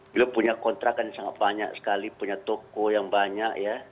beliau punya kontrakan yang sangat banyak sekali punya toko yang banyak ya